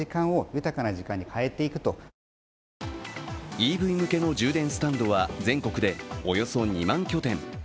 ＥＶ向けの充電スタンドは全国でおよそ２万拠点。